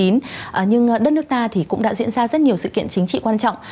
nhưng đất nước ta thì cũng đã diễn ra rất nhiều sự kiện chính trị quan trọng